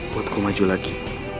buat gue maju lagi